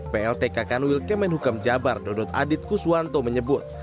pltk kanwil kemenhukam jabar dodot adit kuswanto menyebut